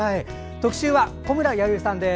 特集は小村弥生さんです。